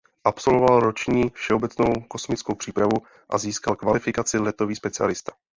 Absolvoval roční všeobecnou kosmickou přípravu a získal kvalifikaci letový specialista.